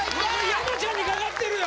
山ちゃんにかかってるよ